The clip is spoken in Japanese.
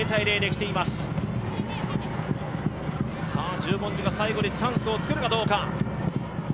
十文字が最後にチャンスを作るかどうか。